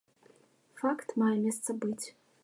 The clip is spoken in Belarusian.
Факт мае месца быць.